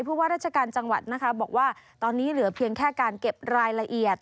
เพราะว่าราชการจังหวัดนะคะบอกว่าตอนนี้เหลือเพียงแค่การเก็บรายละเอียด